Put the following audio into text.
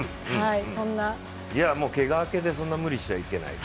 いや、けが明けでそんな無理しちゃいけない。